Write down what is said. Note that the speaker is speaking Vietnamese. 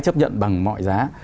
chấp nhận bằng mọi giá